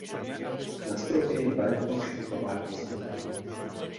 Na stropě je barokní štuková výzdoba.